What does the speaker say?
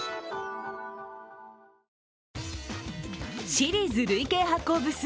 シリーズ累計発行部数